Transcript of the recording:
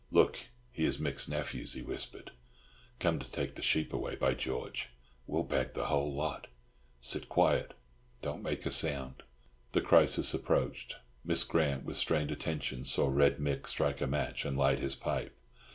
"Look! Here's Mick's nephews," he whispered, "come to take the sheep away. By George, we'll bag the whole lot! Sit quiet: don't make a sound." The crisis approached. Miss Grant, with strained attention, saw Red Mick strike a match, and light his pipe.